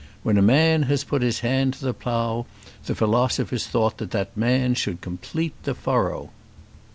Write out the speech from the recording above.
When a man had put his hand to the plough, the philosophers thought that that man should complete the furrow!